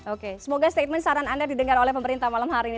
oke semoga statement saran anda didengar oleh pemerintah malam hari ini